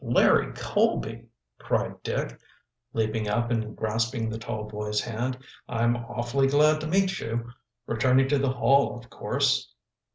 "Larry Colby!" cried Dick, leaping up and grasping the tall boy's hand. "I'm awfully glad to meet you. Returning to the Hall, of course?"